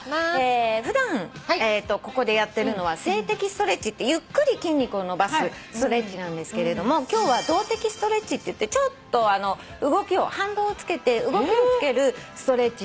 普段ここでやってるのは静的ストレッチってゆっくり筋肉を伸ばすストレッチなんですけれども今日は動的ストレッチっていってちょっと反動をつけて動きをつけるストレッチにします。